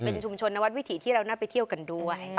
เป็นชุมชนนวัดวิถีที่เราน่าไปเที่ยวกันด้วย